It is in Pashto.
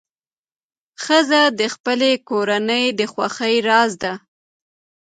ښځه د خپلې کورنۍ د خوښۍ راز ده.